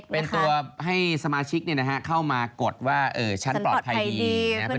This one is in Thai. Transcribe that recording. เป็นตัวให้สมาชิกเข้ามากดว่าฉันปลอดภัยดีนะครับ